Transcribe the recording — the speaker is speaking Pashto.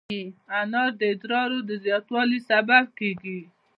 انار د ادرار د زیاتوالي سبب کېږي.